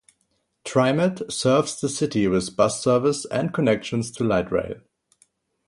TriMet serves the city with bus service and connections to light rail.